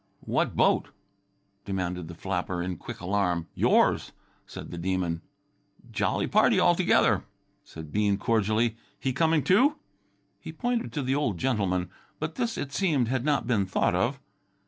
"What boat?" demanded the flapper in quick alarm. "Your's," said the Demon. "Jolly party, all together," said Bean cordially. "He coming, too?" He pointed to the old gentleman, but this it seemed had not been thought of.